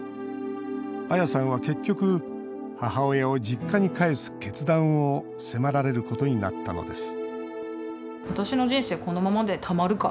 アヤさんは結局母親を実家に帰す決断を迫られることになったのです